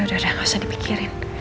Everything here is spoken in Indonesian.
udah ada gak usah dipikirin